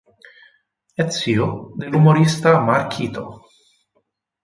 È zio dell'umorista Marquito.